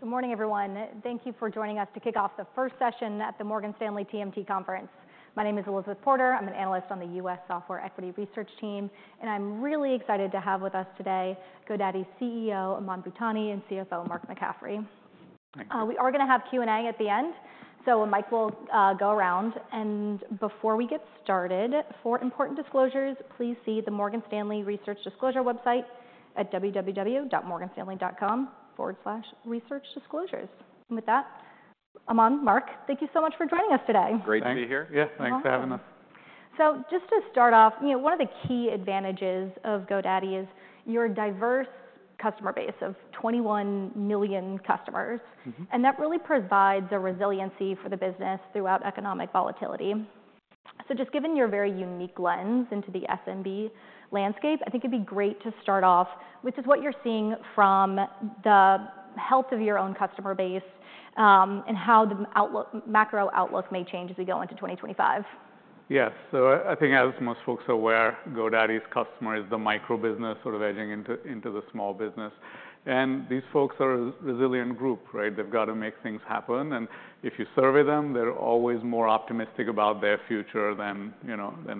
Good morning, everyone. Thank you for joining us to kick off the first session at the Morgan Stanley TMT Conference. My name is Elizabeth Porter. I'm an analyst on the U.S. Software Equity Research team, and I'm really excited to have with us today GoDaddy CEO Aman Bhutani and CFO Mark McCaffrey. Thanks. We are going to have Q&A at the end, so Mike will go around. Before we get started, for important disclosures, please see the Morgan Stanley Research Disclosure website at www.morganstanley.com/researchdisclosures. With that, Aman and Mark, thank you so much for joining us today. Great to be here. Yeah, thanks for having us. So just to start off, one of the key advantages of GoDaddy is your diverse customer base of 21 million customers, and that really provides a resiliency for the business throughout economic volatility. So just given your very unique lens into the SMB landscape, I think it'd be great to start off with just what you're seeing from the health of your own customer base and how the macro outlook may change as we go into 2025. Yes. So I think, as most folks are aware, GoDaddy's customer is the microbusiness sort of edging into the small business. And these folks are a resilient group, right? They've got to make things happen. And if you survey them, they're always more optimistic about their future than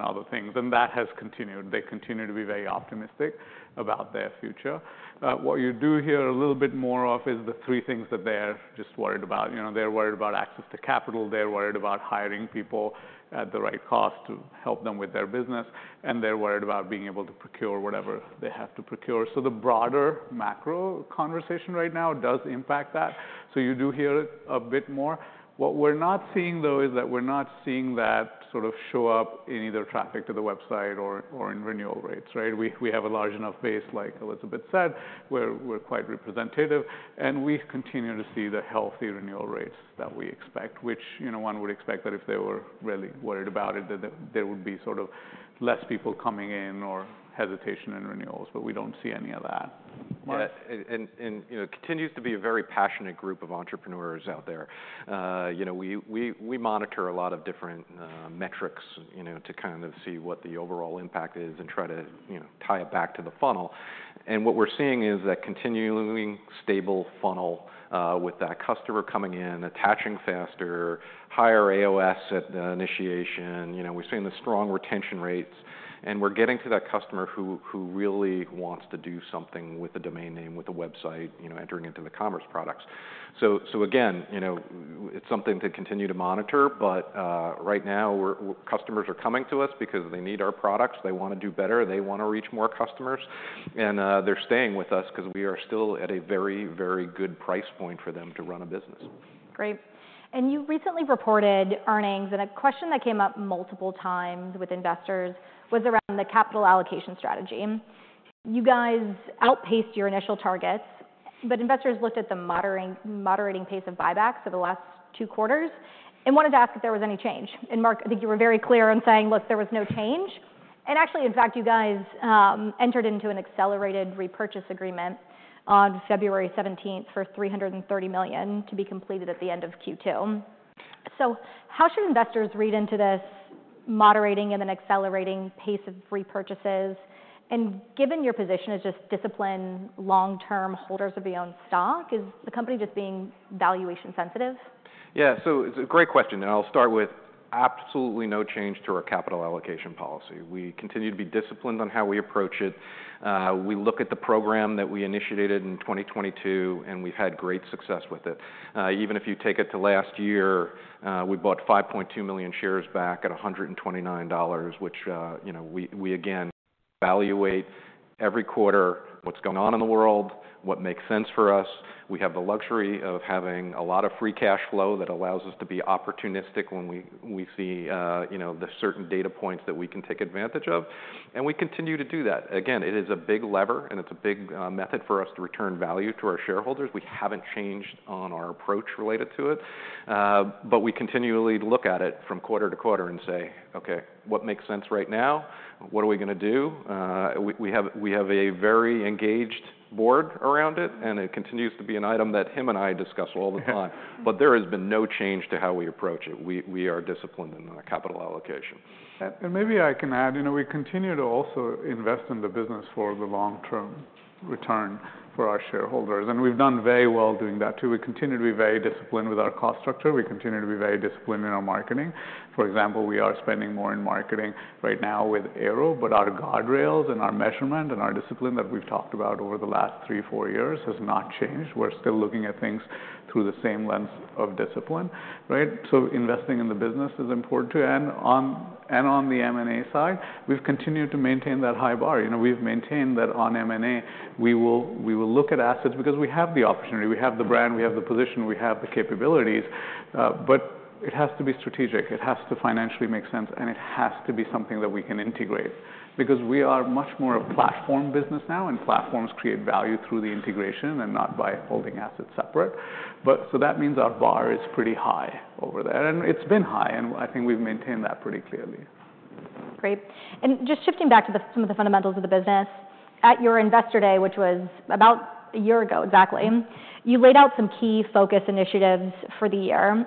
other things. And that has continued. They continue to be very optimistic about their future. What you do hear a little bit more of is the three things that they're just worried about. They're worried about access to capital. They're worried about hiring people at the right cost to help them with their business. And they're worried about being able to procure whatever they have to procure. So the broader macro conversation right now does impact that. So you do hear it a bit more. What we're not seeing, though, is that we're not seeing that sort of show up in either traffic to the website or in renewal rates, right? We have a large enough base, like Elizabeth said, where we're quite representative, and we continue to see the healthy renewal rates that we expect, which one would expect that if they were really worried about it, there would be sort of less people coming in or hesitation in renewals, but we don't see any of that. And it continues to be a very passionate group of entrepreneurs out there. We monitor a lot of different metrics to kind of see what the overall impact is and try to tie it back to the funnel. And what we're seeing is that continuing stable funnel with that customer coming in, attaching faster, higher AOS at the initiation. We've seen the strong retention rates. And we're getting to that customer who really wants to do something with the domain name, with the website, entering into the commerce products. So again, it's something to continue to monitor. But right now, customers are coming to us because they need our products. They want to do better. They want to reach more customers. And they're staying with us because we are still at a very, very good price point for them to run a business. Great. And you recently reported earnings. And a question that came up multiple times with investors was around the capital allocation strategy. You guys outpaced your initial targets, but investors looked at the moderating pace of buybacks of the last two quarters and wanted to ask if there was any change. And Mark, I think you were very clear in saying, look, there was no change. And actually, in fact, you guys entered into an accelerated repurchase agreement on February 17 for $330 million to be completed at the end of Q2. So how should investors read into this moderating and then accelerating pace of repurchases? And given your position as just disciplined, long-term holders of your own stock, is the company just being valuation sensitive? Yeah. So it's a great question. And I'll start with absolutely no change to our capital allocation policy. We continue to be disciplined on how we approach it. We look at the program that we initiated in 2022, and we've had great success with it. Even if you take it to last year, we bought 5.2 million shares back at $129, which we again evaluate every quarter what's going on in the world, what makes sense for us. We have the luxury of having a lot of free cash flow that allows us to be opportunistic when we see the certain data points that we can take advantage of. And we continue to do that. Again, it is a big lever, and it's a big method for us to return value to our shareholders. We haven't changed on our approach related to it, but we continually look at it from quarter to quarter and say, OK, what makes sense right now? What are we going to do? We have a very engaged board around it, and it continues to be an item that him and I discuss all the time. But there has been no change to how we approach it. We are disciplined in our capital allocation. Maybe I can add. We continue to also invest in the business for the long-term return for our shareholders. We've done very well doing that, too. We continue to be very disciplined with our cost structure. We continue to be very disciplined in our marketing. For example, we are spending more in marketing right now with Airo. But our guardrails and our measurement and our discipline that we've talked about over the last three, four years has not changed. We're still looking at things through the same lens of discipline, right? Investing in the business is important too. On the M&A side, we've continued to maintain that high bar. We've maintained that on M&A, we will look at assets because we have the opportunity. We have the brand. We have the position. We have the capabilities. But it has to be strategic. It has to financially make sense. And it has to be something that we can integrate because we are much more of a platform business now. And platforms create value through the integration and not by holding assets separate. So that means our bar is pretty high over there. And it's been high. And I think we've maintained that pretty clearly. Great. And just shifting back to some of the fundamentals of the business, at your investor day, which was about a year ago exactly, you laid out some key focus initiatives for the year.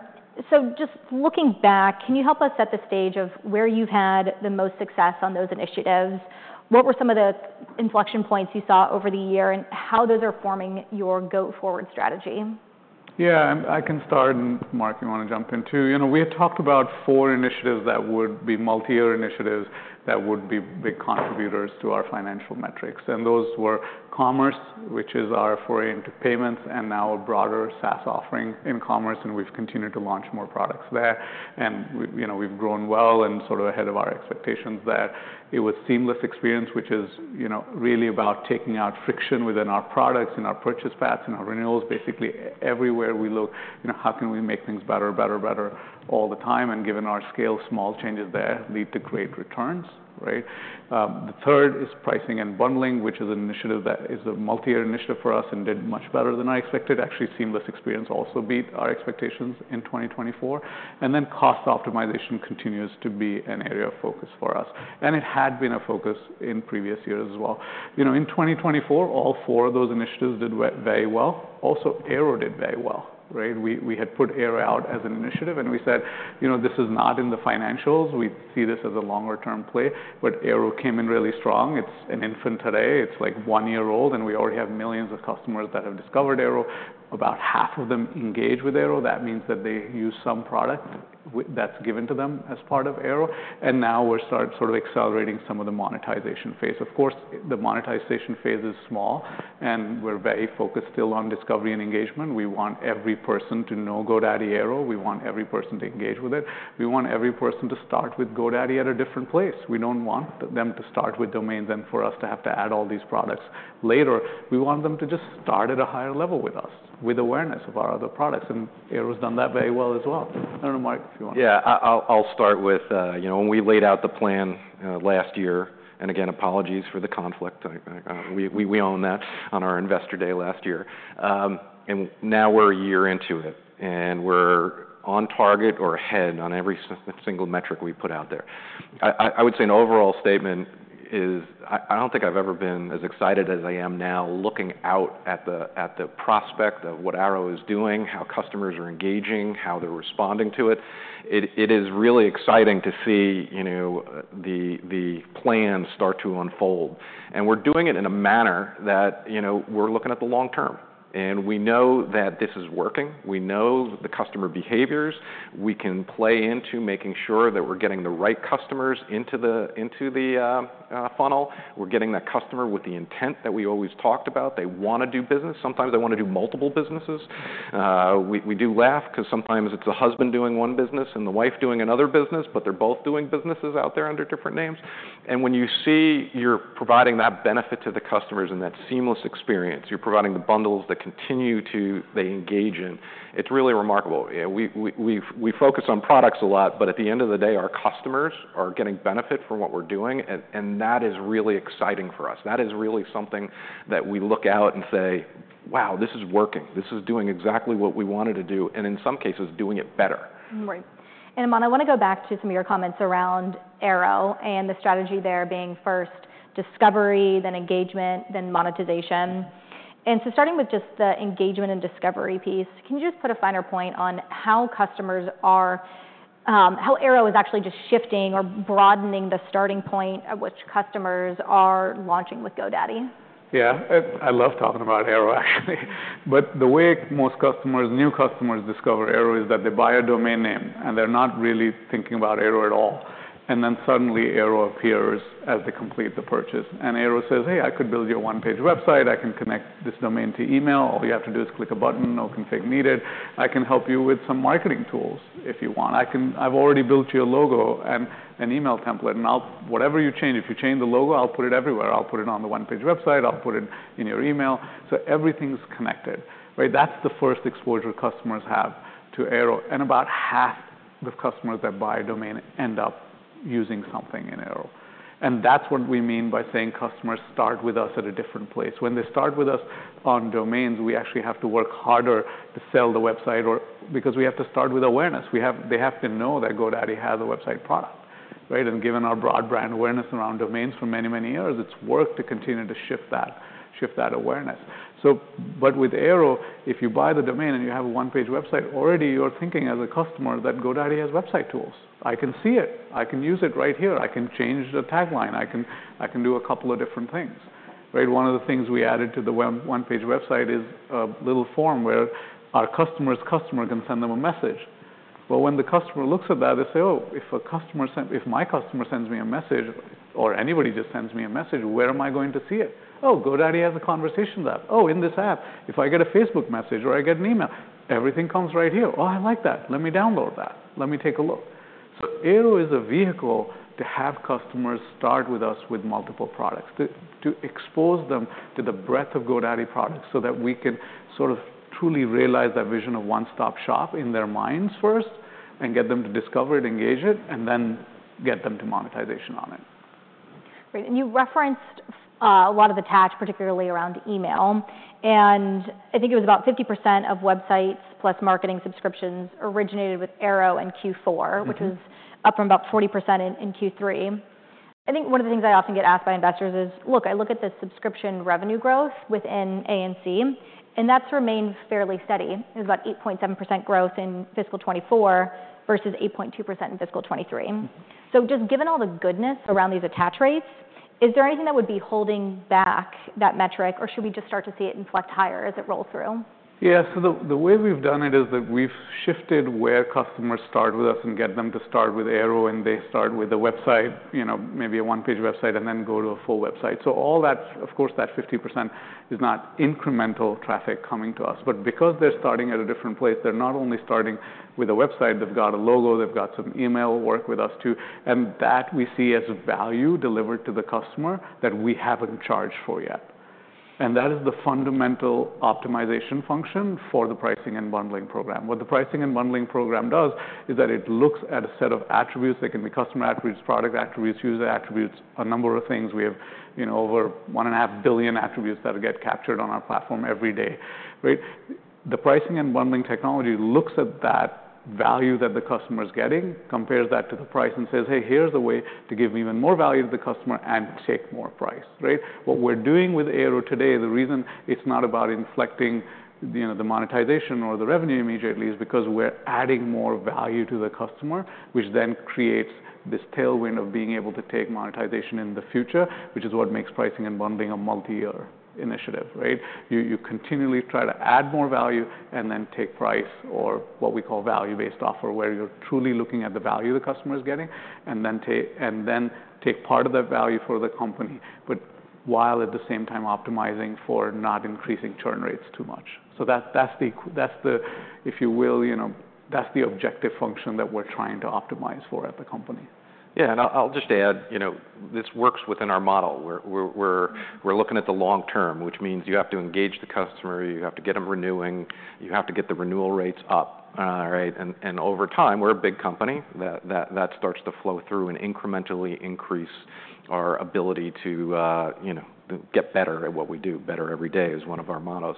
So just looking back, can you help us set the stage of where you've had the most success on those initiatives? What were some of the inflection points you saw over the year and how those are forming your go-forward strategy? Yeah. I can start, and Mark, if you want to jump in too. We had talked about four initiatives that would be multi-year initiatives that would be big contributors to our financial metrics. And those were commerce, which is our foray into payments, and now a broader SaaS offering in commerce. And we've continued to launch more products there. And we've grown well and sort of ahead of our expectations there. It was seamless experience, which is really about taking out friction within our products, in our purchase paths, in our renewals. Basically, everywhere we look, how can we make things better, better, better all the time? And given our scale, small changes there lead to great returns, right? The third is pricing and bundling, which is an initiative that is a multi-year initiative for us and did much better than I expected. Actually, seamless experience also beat our expectations in 2024, and then cost optimization continues to be an area of focus for us. And it had been a focus in previous years as well. In 2024, all four of those initiatives did very well. Also, Airo did very well, right? We had put Airo out as an initiative, and we said, this is not in the financials. We see this as a longer-term play. But Airo came in really strong. It's an infant today. It's like one year old. And we already have millions of customers that have discovered Airo. About half of them engage with Airo. That means that they use some product that's given to them as part of Airo. And now we're sort of accelerating some of the monetization phase. Of course, the monetization phase is small, and we're very focused still on discovery and engagement. We want every person to know GoDaddy Airo. We want every person to engage with it. We want every person to start with GoDaddy at a different place. We don't want them to start with domains and for us to have to add all these products later. We want them to just start at a higher level with us, with awareness of our other products. And Airo has done that very well as well. I don't know, Mark, if you want to. Yeah. I'll start with when we laid out the plan last year. And again, apologies for the conflict. We own that on our investor day last year. And now we're a year into it. And we're on target or ahead on every single metric we put out there. I would say an overall statement is I don't think I've ever been as excited as I am now looking out at the prospect of what Airo is doing, how customers are engaging, how they're responding to it. It is really exciting to see the plan start to unfold. And we're doing it in a manner that we're looking at the long term. And we know that this is working. We know the customer behaviors. We can play into making sure that we're getting the right customers into the funnel. We're getting that customer with the intent that we always talked about. They want to do business. Sometimes they want to do multiple businesses. We do laugh because sometimes it's the husband doing one business and the wife doing another business, but they're both doing businesses out there under different names. And when you see you're providing that benefit to the customers and that seamless experience, you're providing the bundles that continue to engage in, it's really remarkable. We focus on products a lot, but at the end of the day, our customers are getting benefit from what we're doing. And that is really exciting for us. That is really something that we look out and say, wow, this is working. This is doing exactly what we wanted to do, and in some cases, doing it better. Right. And Aman, I want to go back to some of your comments around Airo and the strategy there being first discovery, then engagement, then monetization. And so starting with just the engagement and discovery piece, can you just put a finer point on how Airo is actually just shifting or broadening the starting point at which customers are launching with GoDaddy? Yeah. I love talking about Airo, actually. But the way most customers, new customers, discover Airo is that they buy a domain name, and they're not really thinking about Airo at all. And then suddenly, Airo appears as they complete the purchase. And Airo says, hey, I could build you a one-page website. I can connect this domain to email. All you have to do is click a button. No config needed. I can help you with some marketing tools if you want. I've already built you a logo and an email template. And whatever you change, if you change the logo, I'll put it everywhere. I'll put it on the one-page website. I'll put it in your email. So everything's connected, right? That's the first exposure customers have to Airo. And about half the customers that buy a domain end up using something in Airo. That's what we mean by saying customers start with us at a different place. When they start with us on domains, we actually have to work harder to sell the website because we have to start with awareness. They have to know that GoDaddy has a website product, right? And given our broad brand awareness around domains for many, many years, it's worked to continue to shift that awareness. But with Airo, if you buy the domain and you have a one-page website, already you're thinking as a customer that GoDaddy has website tools. I can see it. I can use it right here. I can change the tagline. I can do a couple of different things, right? One of the things we added to the one-page website is a little form where our customer's customer can send them a message. When the customer looks at that, they say, oh, if my customer sends me a message or anybody just sends me a message, where am I going to see it? Oh, GoDaddy has a conversation app. Oh, in this app, if I get a Facebook message or I get an email, everything comes right here. Oh, I like that. Let me download that. Let me take a look. So Airo is a vehicle to have customers start with us with multiple products, to expose them to the breadth of GoDaddy products so that we can sort of truly realize that vision of one-stop shop in their minds first and get them to discover it, engage it, and then get them to monetization on it. Great. And you referenced a lot of the touch, particularly around email. And I think it was about 50% of Websites + Marketing subscriptions originated with Airo in Q4, which was up from about 40% in Q3. I think one of the things I often get asked by investors is, look, I look at the subscription revenue growth within A&C, and that's remained fairly steady. It was about 8.7% growth in fiscal 2024 versus 8.2% in fiscal 2023. So just given all the goodness around these attach rates, is there anything that would be holding back that metric, or should we just start to see it inflect higher as it rolls through? Yeah. So the way we've done it is that we've shifted where customers start with us and get them to start with Airo, and they start with a website, maybe a one-page website, and then go to a full website. So all that, of course, that 50% is not incremental traffic coming to us. But because they're starting at a different place, they're not only starting with a website. They've got a logo. They've got some email work with us, too. And that we see as value delivered to the customer that we haven't charged for yet. And that is the fundamental optimization function for the pricing and bundling program. What the pricing and bundling program does is that it looks at a set of attributes. They can be customer attributes, product attributes, user attributes, a number of things. We have over 1.5 billion attributes that get captured on our platform every day, right? The pricing and bundling technology looks at that value that the customer is getting, compares that to the price, and says, hey, here's a way to give even more value to the customer and take more price, right? What we're doing with Airo today, the reason it's not about inflecting the monetization or the revenue immediately is because we're adding more value to the customer, which then creates this tailwind of being able to take monetization in the future, which is what makes pricing and bundling a multi-year initiative, right? You continually try to add more value and then take price or what we call value-based offer, where you're truly looking at the value the customer is getting and then take part of that value for the company, but while at the same time optimizing for not increasing churn rates too much. So that's the, if you will, that's the objective function that we're trying to optimize for at the company. Yeah. And I'll just add, this works within our model. We're looking at the long term, which means you have to engage the customer. You have to get them renewing. You have to get the renewal rates up, right? And over time, we're a big company. That starts to flow through and incrementally increase our ability to get better at what we do. Better every day is one of our mottos.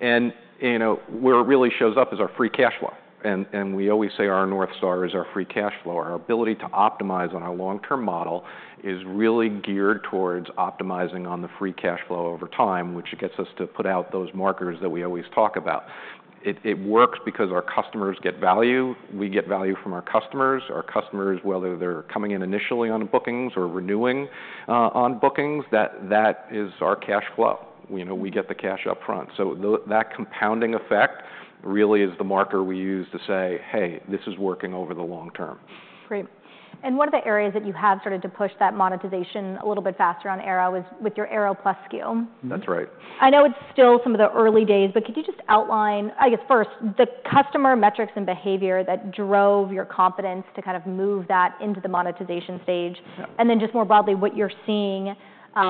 And where it really shows up is our free cash flow. And we always say our North Star is our free cash flow. Our ability to optimize on our long-term model is really geared towards optimizing on the free cash flow over time, which gets us to put out those markers that we always talk about. It works because our customers get value. We get value from our customers. Our customers, whether they're coming in initially on bookings or renewing on bookings, that is our cash flow. We get the cash upfront. So that compounding effect really is the marker we use to say, hey, this is working over the long term. Great. One of the areas that you have started to push that monetization a little bit faster on Airo is with your Airo Plus SKU. That's right. I know it's still some of the early days, but could you just outline, I guess, first, the customer metrics and behavior that drove your confidence to kind of move that into the monetization stage? And then just more broadly, what you're seeing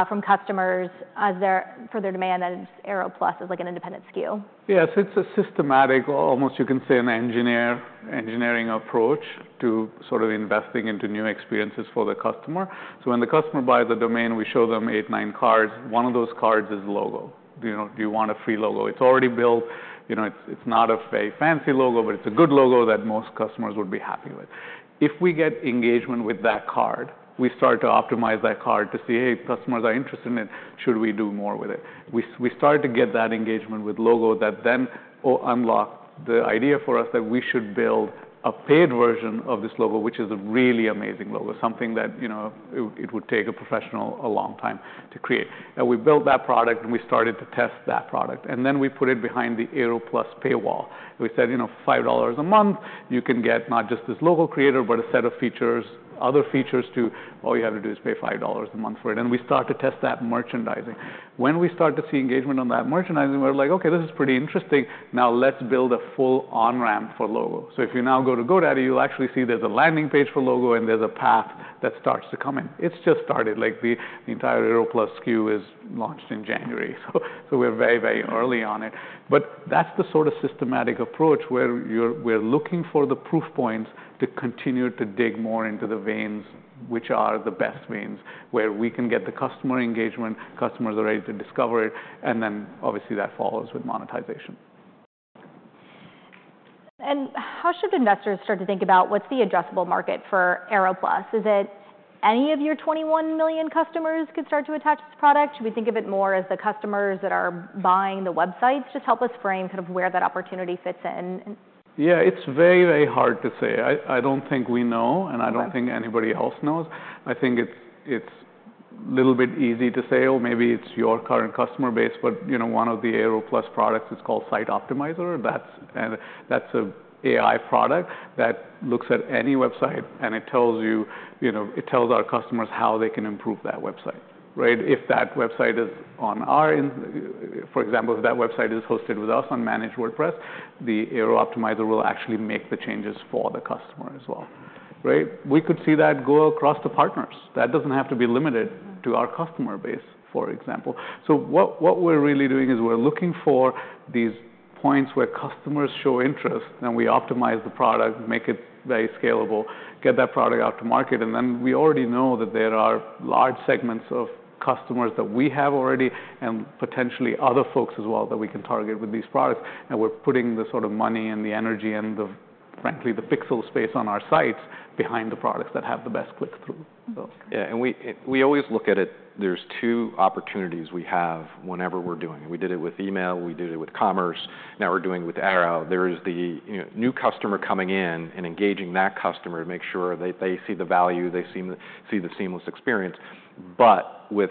from customers for their demand and Airo Plus as like an independent SKU? Yeah. So it's a systematic, almost you can say, an engineering approach to sort of investing into new experiences for the customer. So when the customer buys a domain, we show them eight, nine cards. One of those cards is a logo. Do you want a free logo? It's already built. It's not a very fancy logo, but it's a good logo that most customers would be happy with. If we get engagement with that card, we start to optimize that card to see, hey, customers are interested in it. Should we do more with it? We start to get that engagement with logo that then unlocked the idea for us that we should build a paid version of this logo, which is a really amazing logo, something that it would take a professional a long time to create. We built that product, and we started to test that product. Then we put it behind the Airo Plus paywall. We said, $5 a month, you can get not just this logo creator, but a set of features, other features too. All you have to do is pay $5 a month for it. We started to test that merchandising. When we started to see engagement on that merchandising, we're like, OK, this is pretty interesting. Now let's build a full on-ramp for logo. If you now go to GoDaddy, you'll actually see there's a landing page for logo, and there's a path that starts to come in. It's just started. The entire Airo Plus SKU is launched in January. We're very, very early on it. But that's the sort of systematic approach where we're looking for the proof points to continue to dig more into the veins, which are the best veins, where we can get the customer engagement. Customers are ready to discover it. And then obviously, that follows with monetization. How should investors start to think about what's the addressable market for Airo Plus? Is it any of your 21 million customers could start to attach this product? Should we think of it more as the customers that are buying the websites? Just help us frame kind of where that opportunity fits in. Yeah. It's very, very hard to say. I don't think we know, and I don't think anybody else knows. I think it's a little bit easy to say, oh, maybe it's your current customer base. But one of the Airo Plus products is called Site Optimizer. That's an AI product that looks at any website, and it tells our customers how they can improve that website, right? If that website is on our end, for example, if that website is hosted with us on Managed WordPress, the Airo Optimizer will actually make the changes for the customer as well, right? We could see that go across the partners. That doesn't have to be limited to our customer base, for example. So what we're really doing is we're looking for these points where customers show interest, then we optimize the product, make it very scalable, get that product out to market. And then we already know that there are large segments of customers that we have already and potentially other folks as well that we can target with these products. And we're putting the sort of money and the energy and, frankly, the pixel space on our sites behind the products that have the best click-through. Yeah, and we always look at it. There are two opportunities we have whenever we're doing. We did it with email. We did it with commerce. Now we're doing it with Airo. There is the new customer coming in and engaging that customer to make sure that they see the value, they see the seamless experience, but with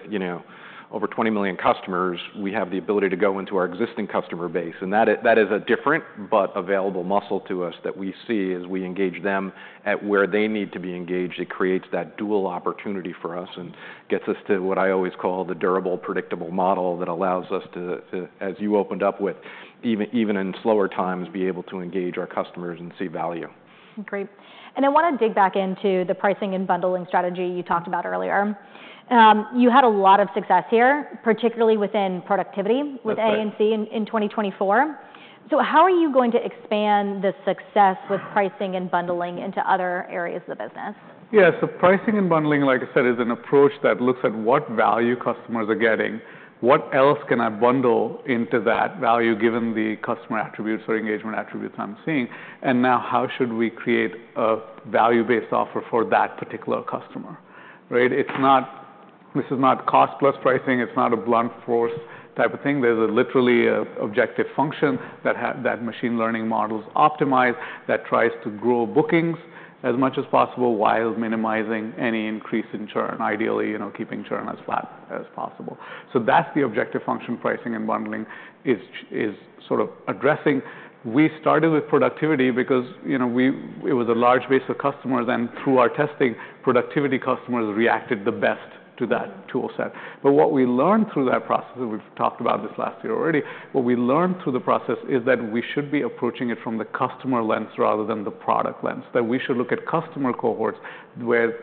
over 20 million customers, we have the ability to go into our existing customer base, and that is a different but available muscle to us that we see as we engage them at where they need to be engaged. It creates that dual opportunity for us and gets us to what I always call the durable, predictable model that allows us to, as you opened up with, even in slower times, be able to engage our customers and see value. Great. And I want to dig back into the pricing and bundling strategy you talked about earlier. You had a lot of success here, particularly within productivity with A&C in 2024. So how are you going to expand the success with pricing and bundling into other areas of the business? Yeah. So pricing and bundling, like I said, is an approach that looks at what value customers are getting. What else can I bundle into that value given the customer attributes or engagement attributes I'm seeing? And now how should we create a value-based offer for that particular customer, right? This is not cost-plus pricing. It's not a blunt force type of thing. There's literally an objective function that machine learning models optimize that tries to grow bookings as much as possible while minimizing any increase in churn, ideally keeping churn as flat as possible. So that's the objective function. Pricing and bundling is sort of addressing. We started with productivity because it was a large base of customers. And through our testing, productivity customers reacted the best to that tool set. But what we learned through that process, and we've talked about this last year already, what we learned through the process is that we should be approaching it from the customer lens rather than the product lens, that we should look at customer cohorts where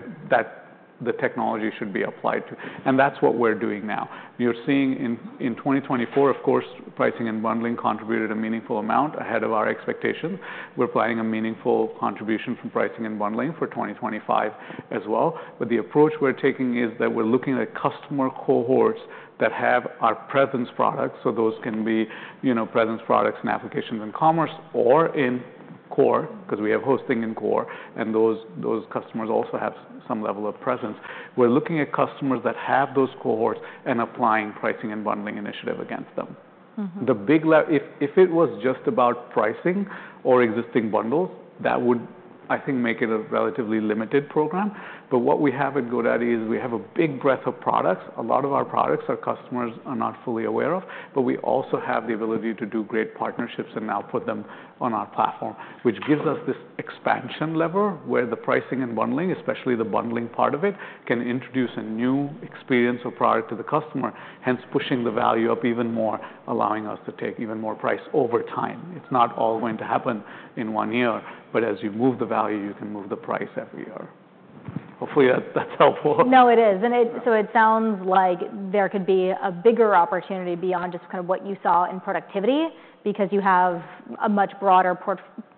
the technology should be applied to. And that's what we're doing now. You're seeing in 2024, of course, pricing and bundling contributed a meaningful amount ahead of our expectations. We're planning a meaningful contribution from pricing and bundling for 2025 as well. But the approach we're taking is that we're looking at customer cohorts that have our presence products. So those can be presence products and applications in commerce or in core because we have hosting in core. And those customers also have some level of presence. We're looking at customers that have those cohorts and applying pricing and bundling initiative against them. If it was just about pricing or existing bundles, that would, I think, make it a relatively limited program. But what we have at GoDaddy is we have a big breadth of products. A lot of our products our customers are not fully aware of. But we also have the ability to do great partnerships and now put them on our platform, which gives us this expansion lever where the pricing and bundling, especially the bundling part of it, can introduce a new experience or product to the customer, hence pushing the value up even more, allowing us to take even more price over time. It's not all going to happen in one year. But as you move the value, you can move the price every year. Hopefully, that's helpful. No, it is. And so it sounds like there could be a bigger opportunity beyond just kind of what you saw in productivity because you have a much broader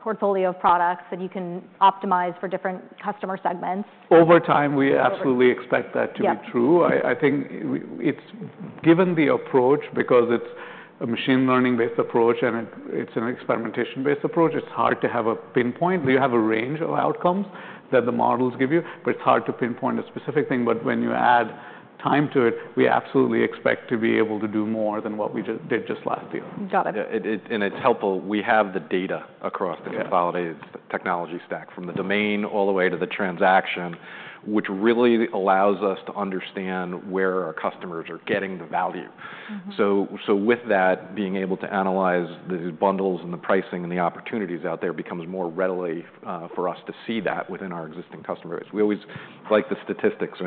portfolio of products that you can optimize for different customer segments. Over time, we absolutely expect that to be true. I think it's given the approach because it's a machine learning-based approach, and it's an experimentation-based approach. It's hard to have a pinpoint. You have a range of outcomes that the models give you, but it's hard to pinpoint a specific thing. But when you add time to it, we absolutely expect to be able to do more than what we did just last year. Got it. It's helpful. We have the data across the consolidated technology stack from the domain all the way to the transaction, which really allows us to understand where our customers are getting the value. With that, being able to analyze the bundles and the pricing and the opportunities out there becomes more readily for us to see that within our existing customer base. We always like the statistics.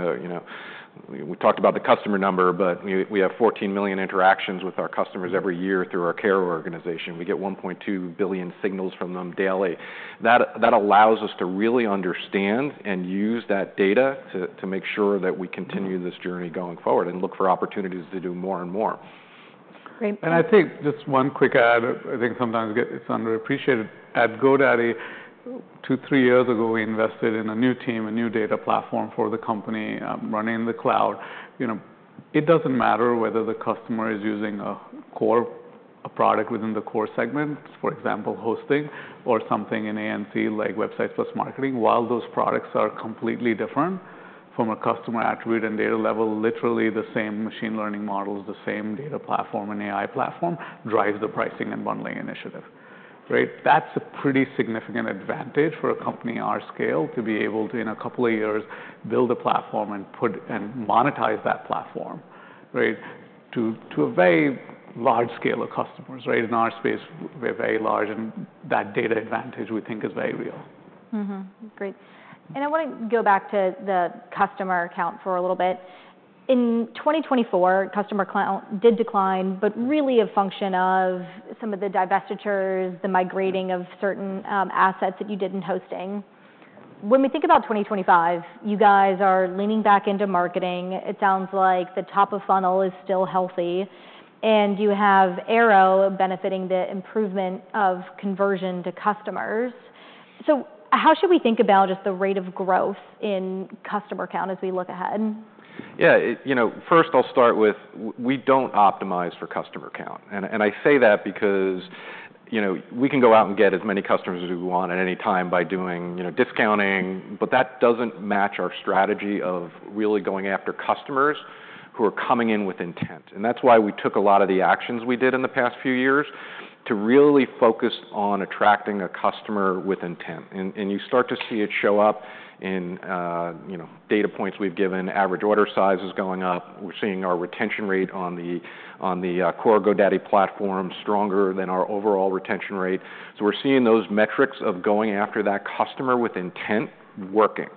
We talked about the customer number, but we have 14 million interactions with our customers every year through our care organization. We get 1.2 billion signals from them daily. That allows us to really understand and use that data to make sure that we continue this journey going forward and look for opportunities to do more and more. And I think just one quick add. I think sometimes it's underappreciated. At GoDaddy, two or three years ago, we invested in a new team, a new data platform for the company running the cloud. It doesn't matter whether the customer is using a product within the core segment, for example, hosting, or something in A&C like Websites + Marketing. While those products are completely different from a customer attribute and data level, literally the same machine learning models, the same data platform and AI platform drives the pricing and bundling initiative, right? That's a pretty significant advantage for a company our scale to be able to, in a couple of years, build a platform and monetize that platform, right, to a very large scale of customers, right? In our space, we're very large. And that data advantage, we think, is very real. Great. And I want to go back to the customer count for a little bit. In 2024, customer count did decline, but really a function of some of the divestitures, the migrating of certain assets that you did in hosting. When we think about 2025, you guys are leaning back into marketing. It sounds like the top of funnel is still healthy. And you have Airo benefiting the improvement of conversion to customers. So how should we think about just the rate of growth in customer count as we look ahead? Yeah. First, I'll start with we don't optimize for customer count. And I say that because we can go out and get as many customers as we want at any time by doing discounting. But that doesn't match our strategy of really going after customers who are coming in with intent. And that's why we took a lot of the actions we did in the past few years to really focus on attracting a customer with intent. And you start to see it show up in data points we've given. Average order size is going up. We're seeing our retention rate on the core GoDaddy platform stronger than our overall retention rate. So we're seeing those metrics of going after that customer with intent working.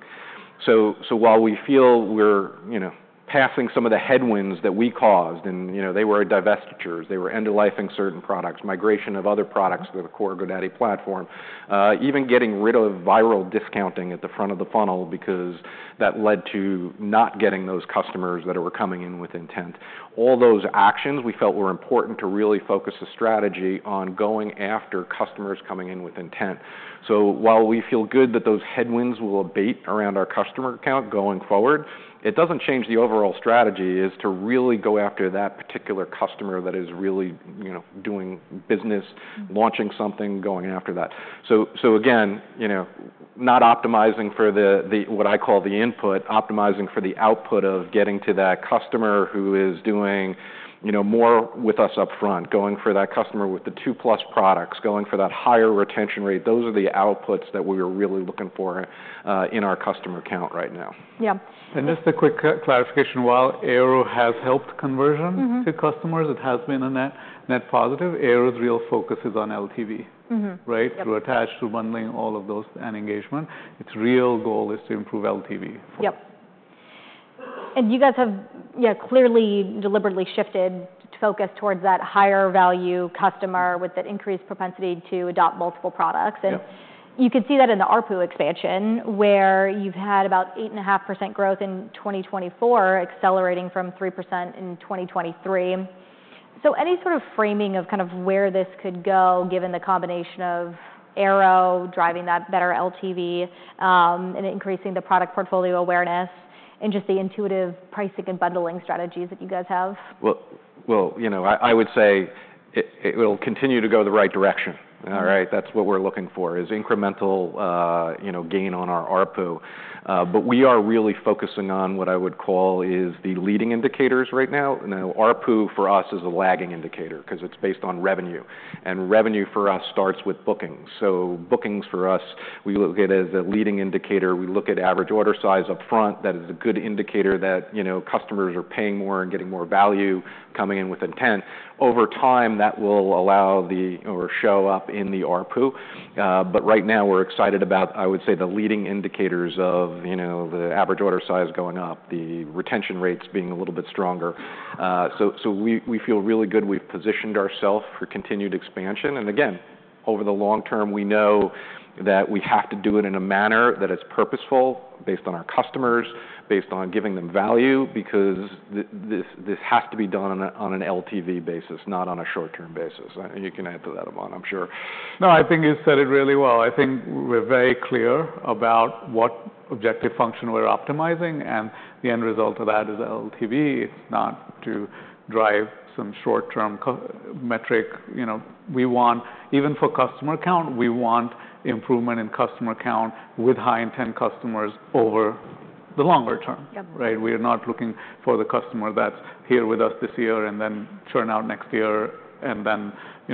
So while we feel we're passing some of the headwinds that we caused, and they were divestitures. They were end-of-life in certain products, migration of other products to the core GoDaddy platform, even getting rid of viral discounting at the front of the funnel because that led to not getting those customers that were coming in with intent. All those actions we felt were important to really focus the strategy on going after customers coming in with intent. So while we feel good that those headwinds will abate around our customer count going forward, it doesn't change the overall strategy, is to really go after that particular customer that is really doing business, launching something, going after that. So again, not optimizing for what I call the input, optimizing for the output of getting to that customer who is doing more with us upfront, going for that customer with the 2+ products, going for that higher retention rate. Those are the outputs that we are really looking for in our customer count right now. Yeah And just a quick clarification. While Airo has helped conversion to customers, it has been a net positive. Airo's real focus is on LTV, right, through attached, through bundling, all of those and engagement. Its real goal is to improve LTV. Yep. And you guys have, yeah, clearly deliberately shifted to focus towards that higher value customer with that increased propensity to adopt multiple products. And you can see that in the ARPU expansion, where you've had about 8.5% growth in 2024, accelerating from 3% in 2023. So any sort of framing of kind of where this could go, given the combination of Airo driving that better LTV and increasing the product portfolio awareness and just the intuitive pricing and bundling strategies that you guys have? I would say it will continue to go the right direction, all right. That's what we're looking for is incremental gain on our ARPU, but we are really focusing on what I would call is the leading indicators right now. Now, ARPU for us is a lagging indicator because it's based on revenue, and revenue for us starts with bookings, so bookings for us, we look at it as a leading indicator. We look at average order size upfront. That is a good indicator that customers are paying more and getting more value, coming in with intent. Over time, that will allow the or show up in the ARPU, but right now, we're excited about, I would say, the leading indicators of the average order size going up, the retention rates being a little bit stronger, so we feel really good we've positioned ourselves for continued expansion. And again, over the long term, we know that we have to do it in a manner that is purposeful based on our customers, based on giving them value because this has to be done on an LTV basis, not on a short-term basis. And you can add to that, Aman. I'm sure. No, I think you said it really well. I think we're very clear about what objective function we're optimizing and the end result of that is LTV. It's not to drive some short-term metric. We want, even for customer count, we want improvement in customer count with high-intent customers over the longer term, right? We are not looking for the customer that's here with us this year and then churn next year, and then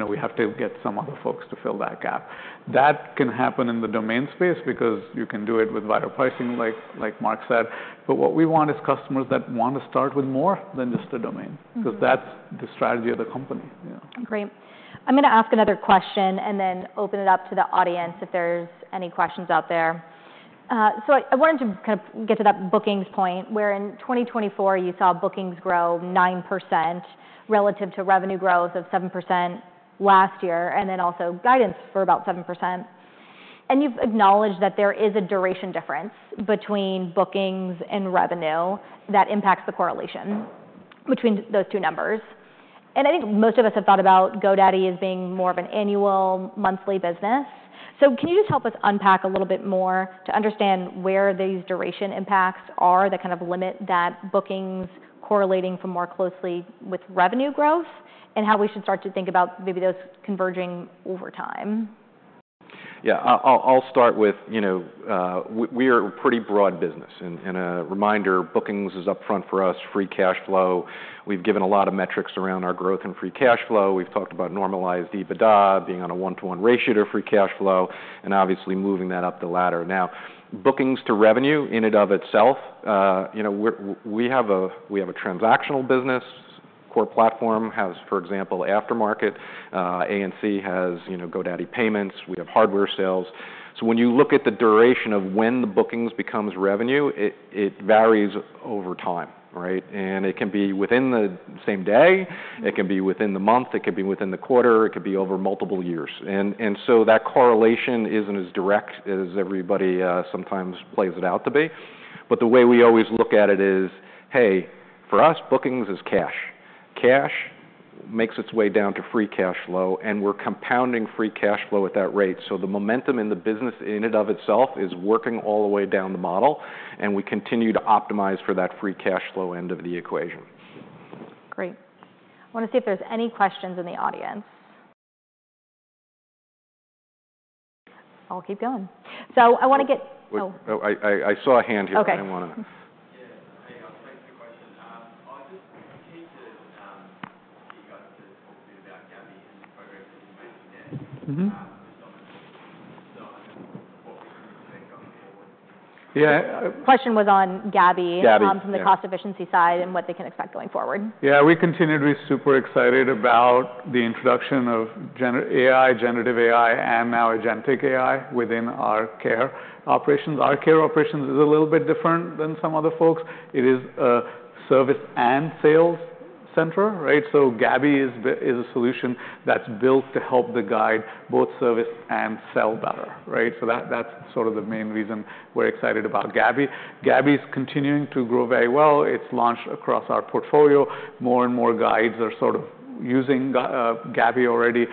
we have to get some other folks to fill that gap. That can happen in the domain space because you can do it with vital pricing, like Mark said, but what we want is customers that want to start with more than just a domain because that's the strategy of the company. Great. I'm going to ask another question and then open it up to the audience if there's any questions out there. So, I wanted to kind of get to that bookings point where in 2024, you saw bookings grow 9% relative to revenue growth of 7% last year and then also guidance for about 7%. And you've acknowledged that there is a duration difference between bookings and revenue that impacts the correlation between those two numbers. And I think most of us have thought about GoDaddy as being more of an annual monthly business. So, can you just help us unpack a little bit more to understand where these duration impacts are, the kind of limit that bookings correlating from more closely with revenue growth and how we should start to think about maybe those converging over time? Yeah, I'll start with we are a pretty broad business. And a reminder, bookings is upfront for us, free cash flow. We've given a lot of metrics around our growth and free cash flow. We've talked about normalized EBITDA being on a one-to-one ratio to free cash flow and obviously moving that up the ladder. Now, bookings to revenue in and of itself, we have a transactional business. Core platform has, for example, aftermarket. A&C has GoDaddy Payments. We have hardware sales. So, when you look at the duration of when the bookings become revenue, it varies over time, right? And it can be within the same day. It can be within the month. It could be within the quarter. It could be over multiple years. And so that correlation isn't as direct as everybody sometimes plays it out to be. But the way we always look at it is, hey, for us, bookings is cash. Cash makes its way down to free cash flow. And we're compounding free cash flow at that rate. So the momentum in the business in and of itself is working all the way down the model. And we continue to optimize for that free cash flow end of the equation. Great. I want to see if there's any questions in the audience. I'll keep going. So, I want to get. I saw a hand here. OK. I want to. Yeah. Hey, I'll take the question. Yeah. Question was on GABI from the cost efficiency side and what they can expect going forward. Yeah, we continue to be super excited about the introduction of AI, generative AI, and now agentic AI within our care operations. Our care operations is a little bit different than some other folks. It is a service and sales center, right? So GABI is a solution that's built to help the Guide both service and sell better, right? So that's sort of the main reason we're excited about GABI. GABI is continuing to grow very well. It's launched across our portfolio. More and more Guides are sort of using GABI already.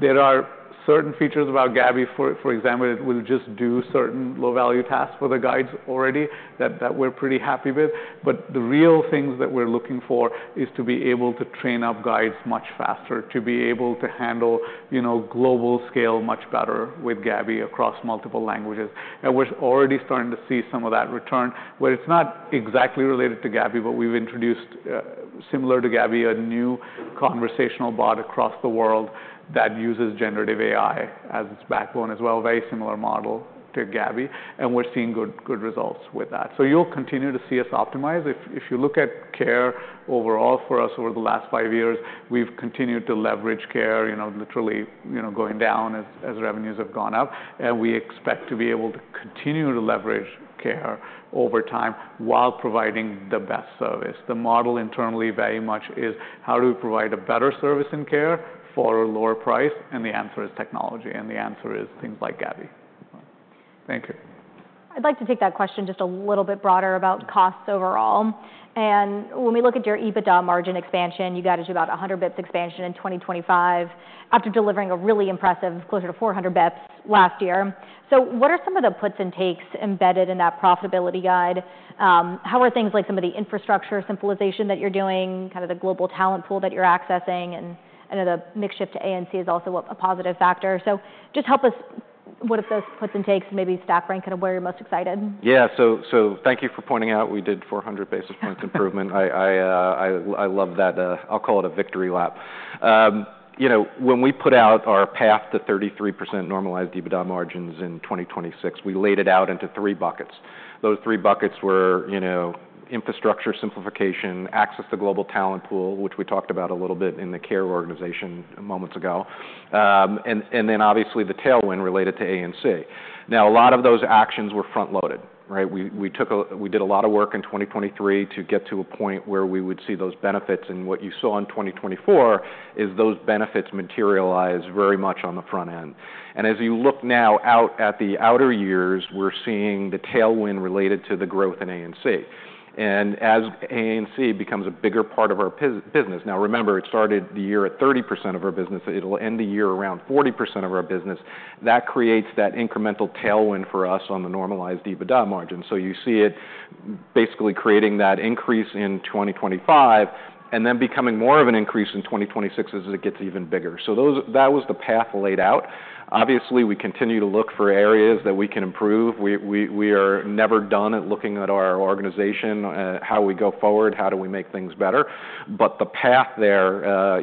There are certain features about GABI, for example, it will just do certain low-value tasks for the Guides already that we're pretty happy with. But the real things that we're looking for is to be able to train up Guides much faster, to be able to handle global scale much better with GABI across multiple languages. We're already starting to see some of that return, where it's not exactly related to GABI, but we've introduced, similar to GABI, a new conversational bot across the world that uses generative AI as its backbone as well, a very similar model to GABI. We're seeing good results with that. You'll continue to see us optimize. If you look at care overall for us over the last five years, we've continued to leverage care literally going down as revenues have gone up. We expect to be able to continue to leverage care over time while providing the best service. The model internally very much is how do we provide a better service and care for a lower price? The answer is technology. The answer is things like GABI. Thank you. I'd like to take that question just a little bit broader about costs overall. When we look at your EBITDA margin expansion, you got it to about 100 basis points expansion in 2025 after delivering a really impressive closer to 400 basis points last year. So, what are some of the puts and takes embedded in that profitability Guide? How are things like some of the infrastructure simplification that you're doing, kind of the global talent pool that you're accessing? And I know the mix shift in A&C is also a positive factor. So just help us walk through those puts and takes and maybe stack rank kind of where you're most excited? Yeah. So thank you for pointing out we did 400 basis points improvement. I love that. I'll call it a victory lap. When we put out our path to 33% normalized EBITDA margins in 2026, we laid it out into three buckets. Those three buckets were infrastructure simplification, access to global talent pool, which we talked about a little bit in the care organization moments ago, and then obviously the tailwind related to A&C. Now, a lot of those actions were front-loaded, right? We did a lot of work in 2023 to get to a point where we would see those benefits. And what you saw in 2024 is those benefits materialize very much on the front end. And as you look now out at the outer years, we're seeing the tailwind related to the growth in A&C. As A&C becomes a bigger part of our business now, remember, it started the year at 30% of our business. It will end the year around 40% of our business. That creates that incremental tailwind for us on the normalized EBITDA margin. You see it basically creating that increase in 2025 and then becoming more of an increase in 2026 as it gets even bigger. That was the path laid out. Obviously, we continue to look for areas that we can improve. We are never done at looking at our organization, how we go forward, how do we make things better. The path there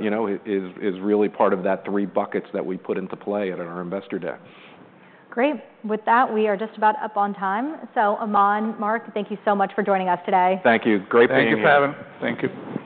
is really part of that three buckets that we put into play at our investor day. Great. With that, we are just about up on time. So Aman, Mark, thank you so much for joining us today. Thank you. Great being here. Thank you for having us. Thank you.